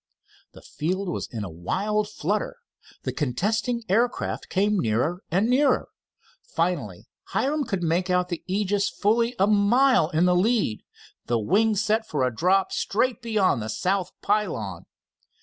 The field was in a wild flutter. The contesting aircraft came nearer and nearer. Finally Hiram could make out the Aegis fully a mile in the lead, the wings set for a drop straight beyond the south pylon.